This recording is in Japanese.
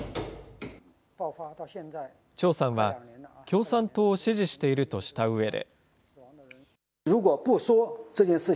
張さんは、共産党を支持しているとしたうえで。